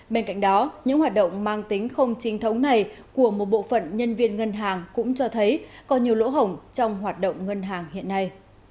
bên cạnh đó những hoạt động mang tính không chính thống này của một bộ phận nhân viên ngân hàng cũng cho thấy có nhiều lỗ hổng trong hoạt động ngân hàng hiện nay